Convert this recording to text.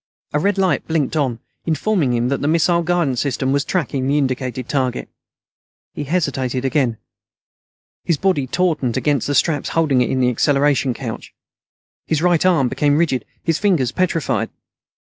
A red light blinked on, informing him that the missile guidance system was tracking the indicated target. He hesitated again. His body tautened against the straps holding it in the acceleration couch. His right arm became rigid; his fingers petrified.